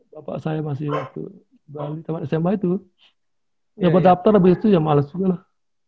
bapak saya masih waktu bali tempat sma itu ya udah daftar abis itu ya males juga lah